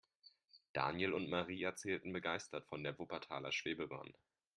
Daniel und Marie erzählten begeistert von der Wuppertaler Schwebebahn.